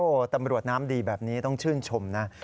โอ้โหตำรวจน้ำดีแบบนี้ต้องชื่นชมนะ